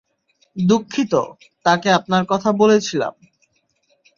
দুঃখিত, তাকে আপনার কথা বলেছিলাম।